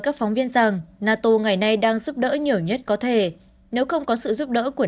các phóng viên rằng nato ngày nay đang giúp đỡ nhiều nhất có thể nếu không có sự giúp đỡ của